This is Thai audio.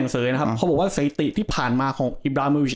หนังเสรยนะครับเขาบอกว่าเศรษฐีที่ผ่านมาของอิบราฮิมโมวิช